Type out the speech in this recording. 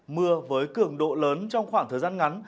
mưa với cường độ lớn trong khoảng thời gian ngắn